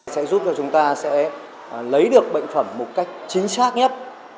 sẽ giúp cho chúng ta sẽ lấy được bệnh phẩm một cách chính xác nhất